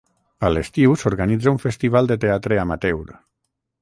A l'estiu s'organitza un festival de teatre amateur.